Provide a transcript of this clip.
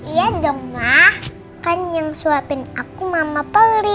iya dong ma kan yang suapin aku mama peri